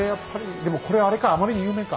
でもこれあれかあまりに有名か。